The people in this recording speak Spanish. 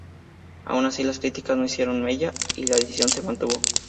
Aun así, las críticas no hicieron mella y la decisión se mantuvo.